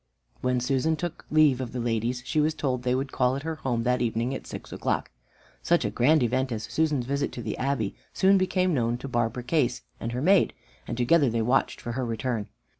When Susan took leave of the ladies, she was told they would call at her home that evening at six o'clock. Such a grand event as Susan's visit to the Abbey soon became known to Barbara Case and her maid, and together they watched for her return.